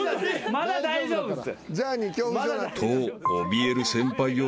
まだ大丈夫です。